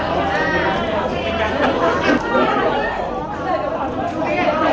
ขอบคุณหนึ่งนะคะขอบคุณกล้องกล้องนี้ด้วยค่ะ